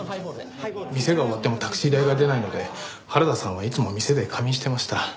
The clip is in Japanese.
店が終わってもタクシー代が出ないので原田さんはいつも店で仮眠してました。